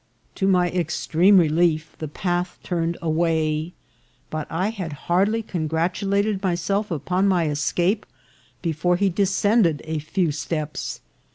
To my extreme relief, the path turned away ; but I had hardly congratulated myself upon my escape before he descended a few steps.